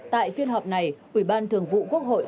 tại phiên họp này ủy ban thường vụ quốc hội